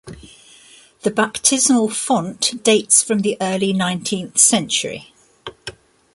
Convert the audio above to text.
The baptismal font dates from the early nineteenth century.